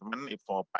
saya pikir itu saja